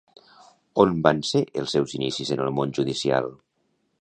On van ser els seus inicis en el món judicial?